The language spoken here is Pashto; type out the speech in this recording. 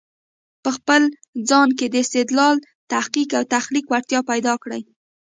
په خپل ځان کې د استدلال، تحقیق او تخليق وړتیا پیدا کړی